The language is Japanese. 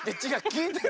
きいてる？